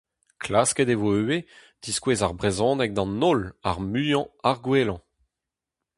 Klasket e vo ivez diskouez ar brezhoneg d'an holl ar muiañ ar gwellañ.